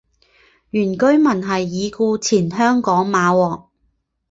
原居民是已故前香港马王。